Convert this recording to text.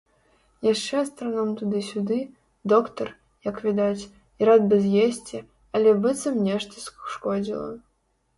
Яшчэ астраном туды-сюды, доктар, як відаць, і рад бы з'есці, але быццам нешта шкодзіла.